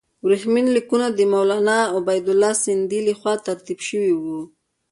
ورېښمین لیکونه د مولنا عبیدالله سندي له خوا ترتیب شوي وو.